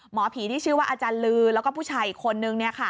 หมอผีที่ชื่อว่าอาจารย์ลือแล้วก็ผู้ชายอีกคนนึง